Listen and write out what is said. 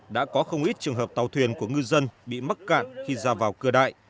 đã có không ít trường hợp tàu thuyền của ngư dân bị mắc cạn khi ra vào cửa đại